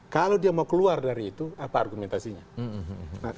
kalau dia mau keluar dari itu apa argumentasinya